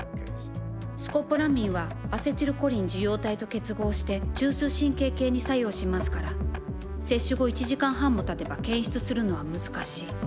スコポラミンはアセチルコリン受容体と結合して中枢神経系に作用しますから摂取後１時間半もたてば検出するのは難しい。